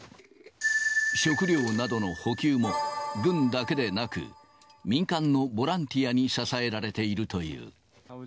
食料などの補給も軍だけでなく、民間のボランティアに支えられているという。